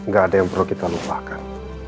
gak ada yang perlu kita lupakan